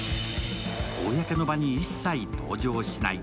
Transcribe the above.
公の場に一切登場しない。